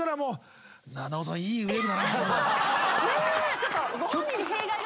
ちょっと。